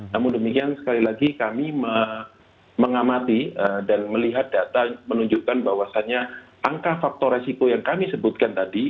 namun demikian sekali lagi kami mengamati dan melihat data menunjukkan bahwasannya angka faktor resiko yang kami sebutkan tadi